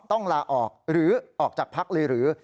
ต้องลาออกหรือออกจากพักเลยหรือ